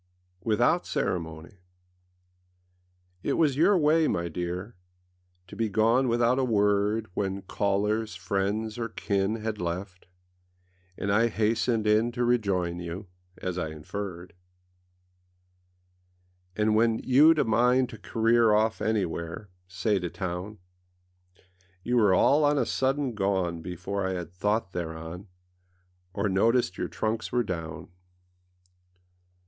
WITHOUT CEREMONY IT was your way, my dear, To be gone without a word When callers, friends, or kin Had left, and I hastened in To rejoin you, as I inferred. And when youâd a mind to career Off anywhereâsay to townâ You were all on a sudden gone Before I had thought thereon, Or noticed your trunks were down.